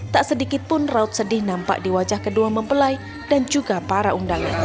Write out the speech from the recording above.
tak sedikit pun raut sedih nampak di wajah kedua mempelai dan juga para undangan